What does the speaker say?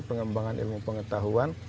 pengembangan ilmu pengetahuan